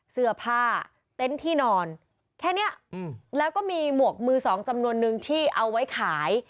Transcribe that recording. เสื้อผ้าเต็นต์ที่นอนแค่เนี้ยอืมแล้วก็มีหมวกมือสองจำนวนนึงที่เอาไว้ขาย